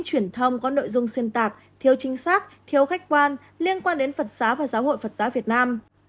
truyền thông có nội dung xuyên tạc thiếu chính xác thiếu khách quan liên quan đến phật giáo và giáo hội phật giáo việt nam